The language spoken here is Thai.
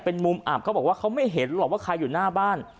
เป็นมุมอับเขาบอกว่าเขาไม่เห็นหรอกว่าใครอยู่หน้าบ้าน